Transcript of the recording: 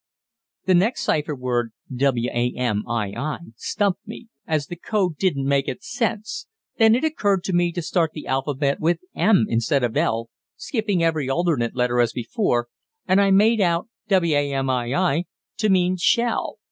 The next cypher word, wamii, stumped me, as the code didn't make it sense; then it occurred to me to start the alphabet with 'm' instead of 'l,' skipping every alternate letter as before, and I made out wamii to mean 'shall.'